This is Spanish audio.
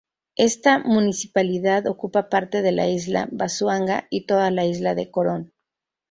Esta municipalidad ocupa parte de la Isla Busuanga y toda la isla de Corón.